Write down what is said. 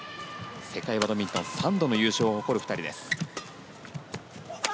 世界バドミントン３度の優勝を誇る２人です。